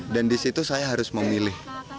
dan di situ saya harus memilih